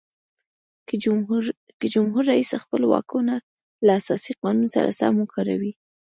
که جمهور رئیس خپل واکونه له اساسي قانون سره سم وکاروي.